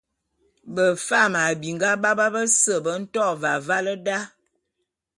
Befam a binga bap bese be nto ve avale da.